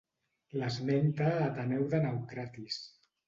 L'esmenta Ateneu de Naucratis.